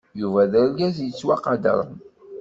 Yuba d argaz yettwaqadren.